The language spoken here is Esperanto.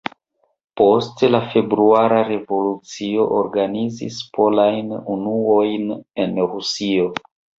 Post la februara revolucio organizis polajn unuojn en Rusio.